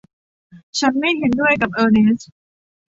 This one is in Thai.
ฉันไม่เห็นด้วยกับเออร์เนสท์